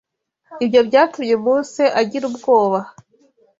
Ibyo byatumye Mose agira ubwoba